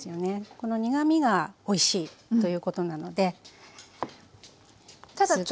この苦みがおいしいということなのですが。